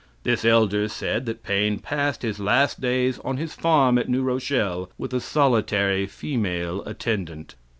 This elder said that Paine passed his last days on his farm at New Rochelle, with a solitary female attendant.